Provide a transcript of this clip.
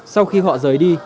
sau khi họ rời đi